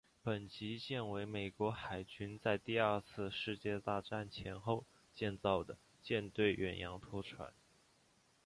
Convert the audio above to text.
本级舰为美国海军在第二次世界大战前后建造的舰队远洋拖船。